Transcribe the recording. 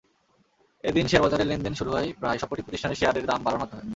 এদিন শেয়ারবাজারে লেনদেন শুরু হয় প্রায় সবকটি প্রতিষ্ঠানের শেয়ার দাম বাড়ার মাধ্যমে।